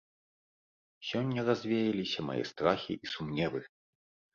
Сёння развеяліся мае страхі і сумневы!